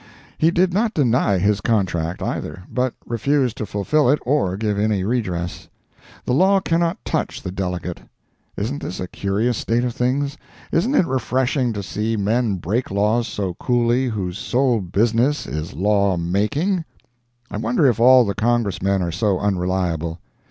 He did not deny his contract either, but refused to fulfill it or give any redress. The law cannot touch the delegate. Isn't this a curious state of things? Isn't it refreshing to see men break laws so coolly whose sole business is law making? I wonder if all the Congressmen are so unreliable?